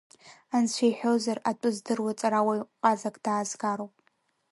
Анцәа иҳәозар, атәы здыруа ҵарауаҩ ҟазак даазгароуп…